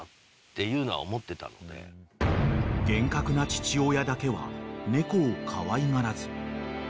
［厳格な父親だけは猫をかわいがらず］